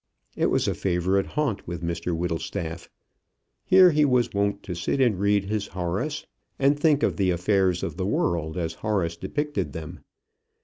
It was a favourite haunt with Mr Whittlestaff. Here he was wont to sit and read his Horace, and think of the affairs of the world as Horace depicted them.